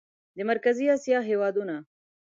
د مرکزي اسیا هېوادونه